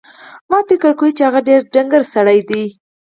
ما فکر کاوه چې هغه ډېر ډنګر سړی دی.